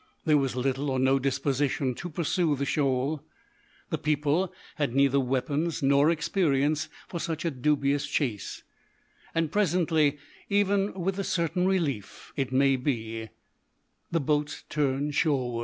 There was little or no disposition to pursue the shoal, the people had neither weapons nor experience for such a dubious chase, and presently even with a certain relief, it may be the boats turned shoreward.